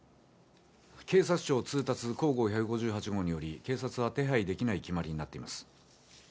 警察庁通達甲号１５８号により警察は手配できない決まりになっています。